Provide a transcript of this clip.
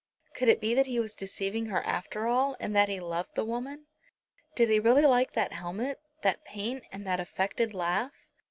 Could it be that he was deceiving her after all, and that he loved the woman? Did he really like that helmet, that paint and that affected laugh?